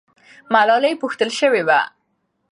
ملالۍ پوښتل سوې وه.